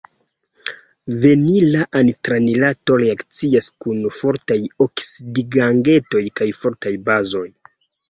Vinila antranilato reakcias kun fortaj oksidigagentoj kaj fortaj bazoj.